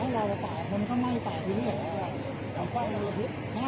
มันก็ไม่ต่างจากที่นี่นะครับ